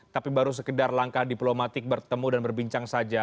tapi baru sekedar langkah diplomatik bertemu dan berbincang saja